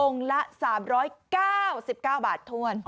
องค์ละ๓๙๙บาทถ้วน